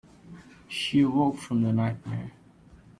She awoke from the nightmare.